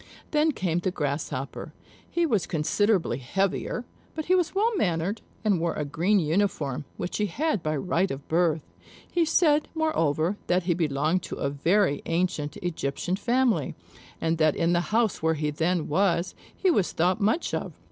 Then came the Grasshopper. He was considerably heavier, but he was well mannered, and wore a green uniform, which he had by right of birth; he said, moreover, that he belonged to a very ancient Egyptian family, and that in the house where he then was, he was thought much of.